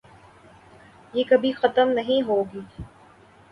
یہ کبھی ختم نہ ہوگی ۔